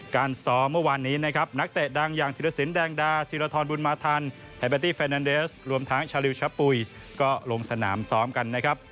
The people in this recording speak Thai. การซ้อมเมื่อวานนี้นักเตะดังอย่างธิรษินแดงดาศิรธรบุญมาธรแฮบเบตตี้เฟรนเดสรวมทั้งชาลิวชะปุ๋ยก็ลงสนามซ้อมกัน